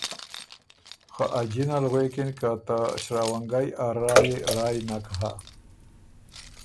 خه ا جِنه ال غوېکِن که ته ݭراونګئ ا رایٛ يې رایٛ نک هۀ